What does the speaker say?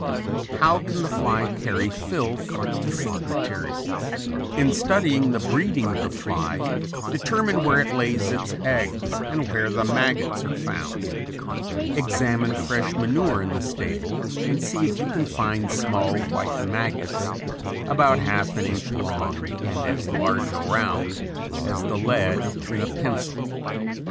How can the fly carry filth to food materials? In studying the breeding of the fly determine where it lays its eggs and where the maggots are found. Examine fresh manure in the stable and see if you can find small white maggots about half an inch long and as large around as the lead in a pencil.